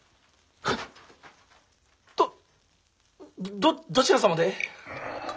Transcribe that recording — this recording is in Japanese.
どどちら様で？